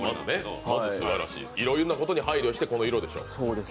いろいろなことに配慮して、この色でしょう。